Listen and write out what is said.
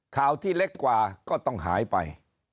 ข่าวที่เล็กกว่าก็ต้องหายไป